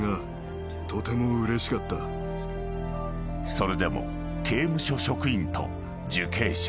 ［それでも刑務所職員と受刑者］